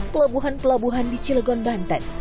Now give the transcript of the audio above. pelabuhan pelabuhan di cilegon banten